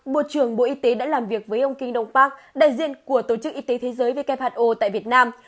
một trường bộ y tế đã làm việc với ông king dong park đại diện của tổ chức y tế thế giới who tại việt nam